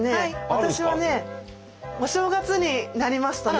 私はねお正月になりますとね。